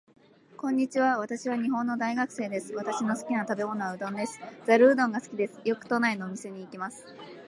こんにちは。私は日本の大学生です。私の好きな食べ物はうどんです。ざるうどんが好きです。よく都内のお店に行きます。